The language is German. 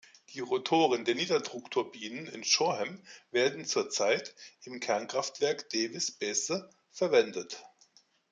Die Rotoren der Niederdruckturbine in Shoreham werden zurzeit im Kernkraftwerk Davis Besse verwendet.